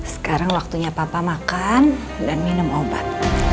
sekarang waktunya papa makan dan minum obat